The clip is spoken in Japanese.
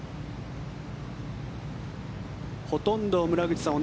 ほとんど村口さん